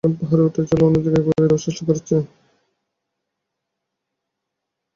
তারা এখন পাহাড়ে উঠে জল অন্য দিকে ঘুরিয়ে দেওয়ার চেষ্টা করছে।